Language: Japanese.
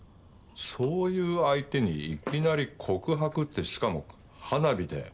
そういう相手にいきなり告白ってしかも花火で。